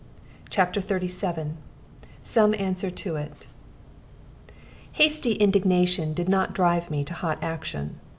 CHAPTER XXXVII SOME ANSWER TO IT Hasty indignation did not drive me to hot action.